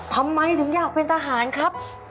ทำไมถึงอยากเป็นทหารครับ